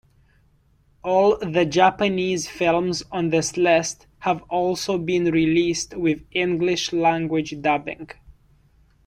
All the Japanese films on this list have also been released with English-language dubbing.